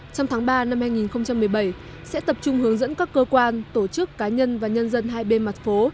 trong tháng ba năm hai nghìn một mươi bảy sẽ tập trung hướng dẫn các cơ quan tổ chức cá nhân và nhân dân hai bên mặt phố